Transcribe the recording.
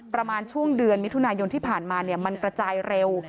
ประมาณช่วงเดือนมิถุนายนที่ผ่านมามันกระจายเร็ว